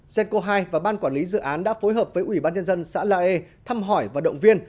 cenco hai và ban quản lý dự án đã phối hợp với ủy ban nhân dân xã la e thăm hỏi và động viên